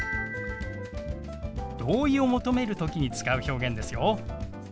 同意を求める時に使う表現ですよ。